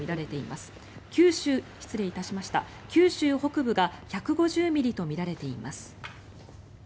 九州北部が１５０ミリとみられています。